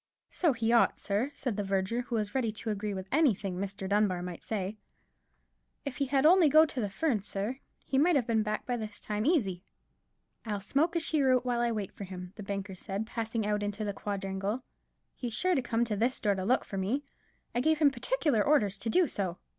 "So he ought, sir," said the verger, who was ready to agree to anything Mr. Dunbar might say; "if he had only to go to the Ferns, sir, he might have been back by this time easy." "I'll smoke a cheroot while I wait for him," the banker said, passing out into the quadrangle; "he's sure to come to this door to look for me—I gave him particular orders to do so."